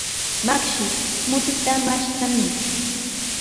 Makshi, mutita mashtamuy.